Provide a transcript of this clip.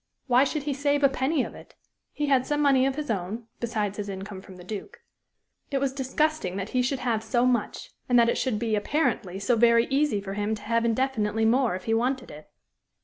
Why should he save a penny of it? He had some money of his own, besides his income from the Duke. It was disgusting that he should have so much, and that it should be, apparently, so very easy for him to have indefinitely more if he wanted it.